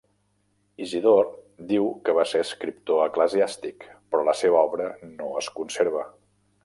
Isidor diu que va ser escriptor eclesiàstic, però la seva obra no es conserva.